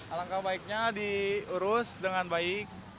alangkah baiknya diurus dengan baik